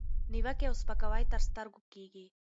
نیوکې او سپکاوي تر سترګو کېږي،